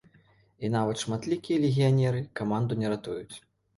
І нават шматлікія легіянеры каманду не ратуюць.